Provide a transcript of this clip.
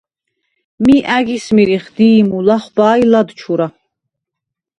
მი ა̈გის მირიხ: დი̄ჲმუ, ლახვბა ი ლადჩურა.